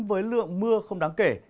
với lượng mưa không đáng kể